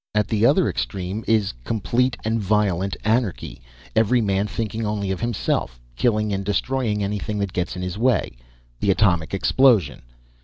At the other extreme is complete and violent anarchy. Every man thinking only of himself, killing and destroying anything that gets in his way the atomic explosion.